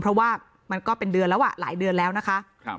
เพราะว่ามันก็เป็นเดือนแล้วอ่ะหลายเดือนแล้วนะคะ